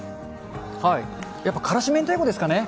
やっぱ、からし明太子ですかね。